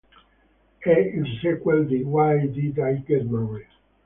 È il sequel di "Why Did I Get Married?